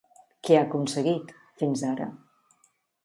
Què ha aconseguit, fins ara?